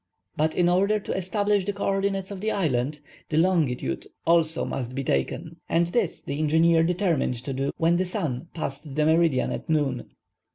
But, in order to establish the co ordinates of the island, the longitude also must be taken. And this the engineer determined to do when the sun passed the meridian at noon.